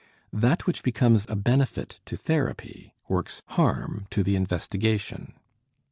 That which becomes a benefit to therapy works harm to the investigation.